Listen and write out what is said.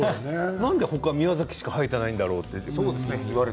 なんで宮崎しか生えていないんだろうって。